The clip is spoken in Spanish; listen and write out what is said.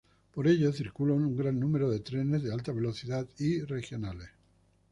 Por ella circulan un gran número de trenes de alta velocidad y regionales.